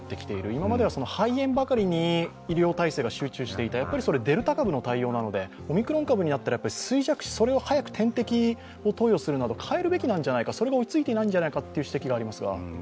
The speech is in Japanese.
今までは肺炎ばかりに医療体制が集中していた、それはデルタ株の対応なので、オミクロン株になったら衰弱死、早く点滴を投与するなど変えるべきじゃないか、それが追いついていないんじゃないかという指摘がありますが。